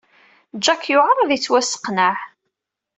Jack yewɛeṛ ad yettwasseqneɛ.